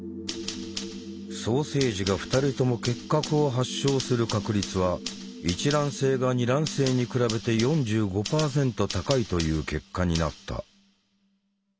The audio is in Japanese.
双生児が２人とも結核を発症する確率は一卵性が二卵性に比べて４５％高いという結果になった。